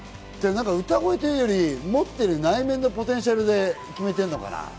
歌声というよりもってる内面のポテンシャルで決めてるのかな？